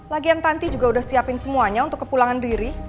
lagian tanti juga udah siapin semuanya untuk kepulangan riri